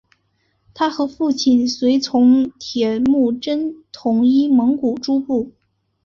他和父亲随从铁木真统一蒙古诸部。